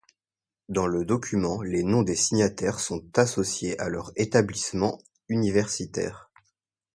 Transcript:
Dans le document, les noms des signataires sont associés à leur établissements universitaires.